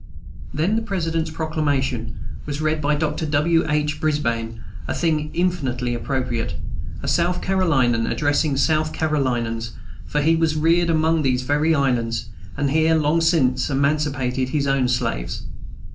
Then the President's Proclamation was read by Dr. W. H. Brisbane, a thing infinitely appropriate, a South Carolinian addressing South Carolinians; for he was reared among these very islands, and here long since emancipated his own slaves.